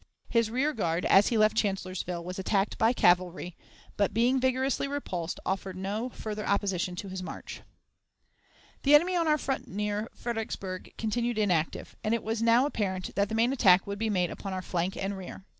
His rear guard, as he left Chancellorsville, was attacked by cavalry, but, being vigorously repulsed, offered no further opposition to his march. The enemy on our front near Fredericksburg continued inactive, and it was now apparent that the main attack would be made upon our flank and rear.